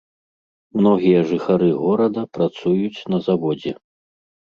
Многія жыхары горада працуюць на заводзе.